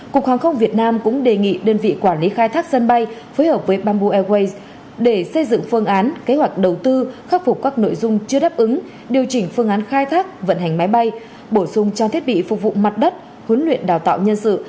cục hàng không việt nam cũng đề nghị đơn vị quản lý khai thác sân bay phối hợp với bamboo airways để xây dựng phương án kế hoạch đầu tư khắc phục các nội dung chưa đáp ứng điều chỉnh phương án khai thác vận hành máy bay bổ sung trang thiết bị phục vụ mặt đất huấn luyện đào tạo nhân sự